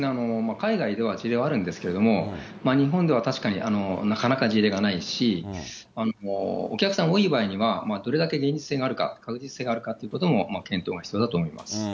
海外では事例はあるんですけれども、日本では確かになかなか事例がないし、お客さん多い場合には、どれだけ現実性があるか、確実性があるかということも検討が必要だと思います。